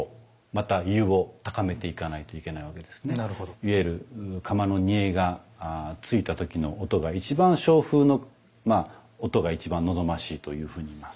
いわゆる釜の煮えがついた時の音が一番松風の音が一番望ましいというふうに言います。